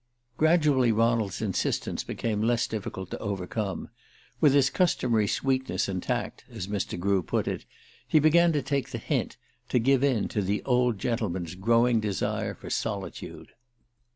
Gradually Ronald's insistence became less difficult to overcome. With his customary sweetness and tact (as Mr. Grew put it) he began to "take the hint," to give in to "the old gentleman's" growing desire for solitude.